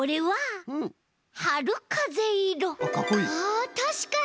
あたしかに。